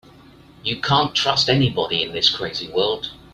You can't trust anybody in this crazy world.